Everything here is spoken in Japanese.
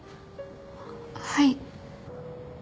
はい。